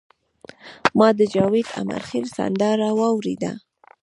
ما د جاوید امیرخیل سندره واوریده.